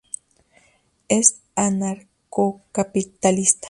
Es anarcocapitalista.